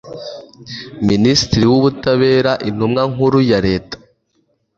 minisitiri w ubutabera intumwa nkuru yareta